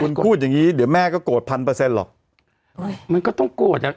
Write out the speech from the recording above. คุณพูดอย่างงี้เดี๋ยวแม่ก็โกรธพันเปอร์เซ็นต์หรอกมันก็ต้องโกรธอ่ะ